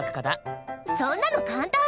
そんなの簡単！